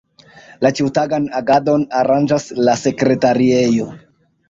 La ĉiutagan agadon aranĝas la Sekretariejo.